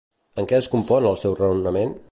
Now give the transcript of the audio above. En què es compon el seu raonament?